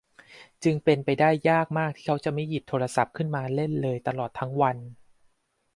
จึงเป็นไปได้ยากมากที่เขาจะไม่หยิบโทรศัพท์ขึ้นมาเล่นเลยตลอดทั้งวัน